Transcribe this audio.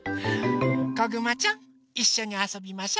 こぐまちゃんいっしょにあそびましょ。